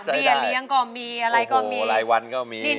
ยกล้าเลี้ยงก็มีอะไรก็มี